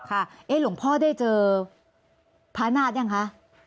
หลวงพ่อได้เจอพระนาฏยังคะ